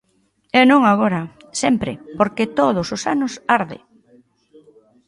E non agora, sempre, porque todos os anos arde.